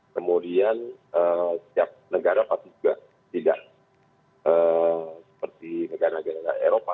kemudian setiap negara pasti juga tidak seperti negara negara eropa